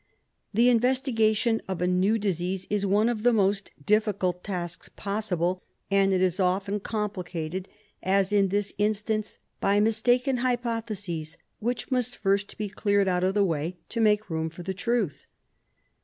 The investigation of a new disease is one of the most difficult tasks possible, and it is often complicated, as in this in stance, by mistaken hypotheses, which must first be cleared out of the way to make room for the truth.